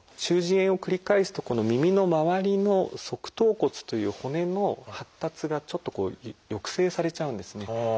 中耳炎を繰り返すとこの耳の周りの側頭骨という骨の発達がちょっとこう抑制されちゃうんですね。